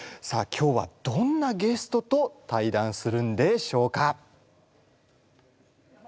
さあ今日はどんなゲストと対談するんでしょうか。